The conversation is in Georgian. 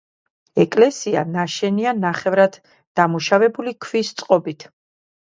ეკლესია ნაშენია ნახევრად დამუშავებული ქვის წყობით.